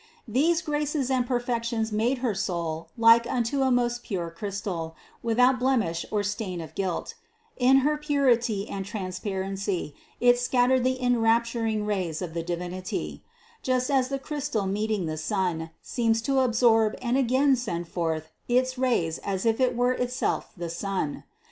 These graces and perfections made her soul like unto a most pure crystal, without blemish or stain of guilt; in her purity and transparency it scattered the enrapturing rays of the Divinity, just as the crystal meeting the sun, seems to absorb and again send forth its rays as if it were itself the sun.